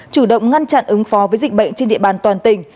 chủ động ngăn chặn ứng phó với dịch bệnh trên địa bàn toàn tỉnh